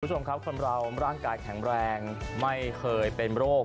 คุณผู้ชมครับคนเราร่างกายแข็งแรงไม่เคยเป็นโรค